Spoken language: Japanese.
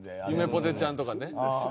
ぽてちゃんとかね。